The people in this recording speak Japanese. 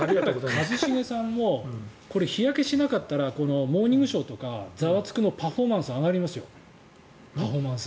一茂さんもこれ、日焼けしなかったら「モーニングショー」とか「ザワつく！」のパフォーマンスが上がりますよ。